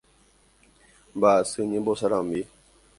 Mba'asy ñembosarambi.